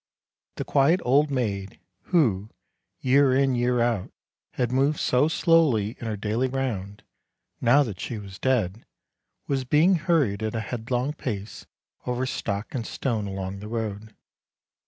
The quiet old maid, who, year in year out, had moved so slowly in her daily round, now that she was dead, was being hurried at a headlong pace over stock and stone along the road.